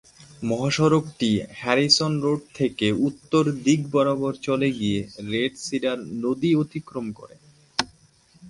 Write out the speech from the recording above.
মহাসড়কটি Harrison road থেকে উত্তর দিক বরাবর চলে গিয়ে রেড সিডার নদী অতিক্রম করে।